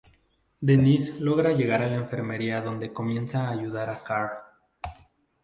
Denise logra llegar a la enfermería donde comienza a ayudar a Carl.